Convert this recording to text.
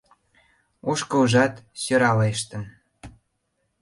Ошкылжат сӧралештын.